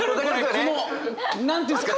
この何て言うんですか？